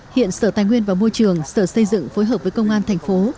hiện sở tài nguyên và môi trường sở xây dựng phối hợp với công an thành phố